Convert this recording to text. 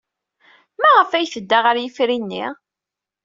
Maɣef ay tedda ɣer yifri-nni?